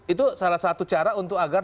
itu salah satu cara untuk agar